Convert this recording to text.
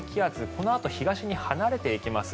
このあと東に離れていきます。